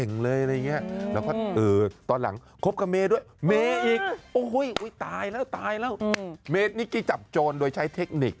ตอนนี้เคลียร์กันเองนะฮะที่ฉันไม่ได้พูด